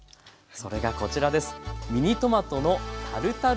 それがこちらです。